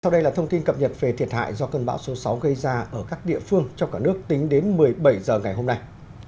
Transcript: sau đây là thông tin cập nhật về thiệt hại do cơn bão số sáu gây ra ở các địa phương trong cả nước tính đến một mươi bảy h ngày hôm nay